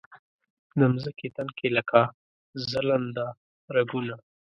د مځکې تن کې لکه ځلنده رګونه